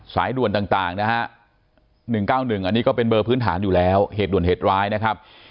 สายด่วนต่างนะฮะ๑๙๑อันนี้ก็เป็นเบอร์พื้นฐานอยู่แล้วเหตุด่วนเหตุร้ายนะครับ